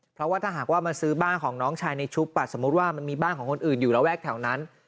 เพราะว่าถ้าหากว่ามาซื้อบ้านของน้องชายในชุบสมมุติว่ามันมีบ้านของคนอื่นอยู่ระแวกแถวนั้น